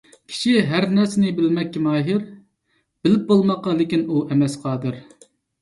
كىشى ھەر نەرسىنى بىلمەككە ماھىر. بىلىپ بولماققا لىكىن ئۇ ئەمەس قادىر.